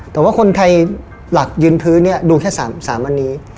แต่ว่าคนไทยหลักยืนพื้นเนี่ยดูแค่๓วันนี้